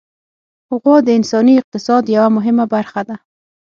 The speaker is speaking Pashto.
غوا د انساني اقتصاد یوه مهمه برخه ده.